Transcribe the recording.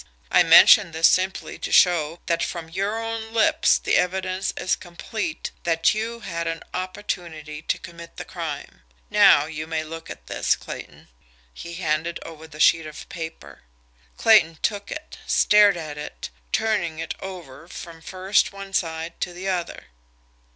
I mention this simply to show that from your own lips the evidence is complete that you had an OPPORTUNITY to commit the crime. Now you may look at this, Clayton." He handed over the sheet of paper. Clayton took it, stared at it, turning it over from first one side to the other.